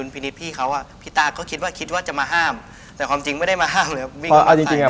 เพราะเอาจริงผมอะ